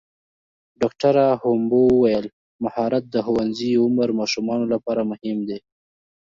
ډاکټره هومبو وویل مهارت د ښوونځي عمر ماشومانو لپاره مهم دی.